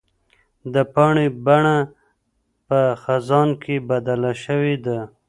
د پاڼې بڼه په خزان کې بدله شوې ده.